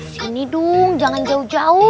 sini duh jangan jauh jauh